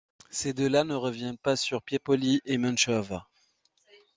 Ces deux-là ne reviennent pas sur Piepoli et Menchov.